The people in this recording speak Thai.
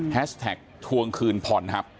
แฮสแท็กทวงคืนพอนฮับ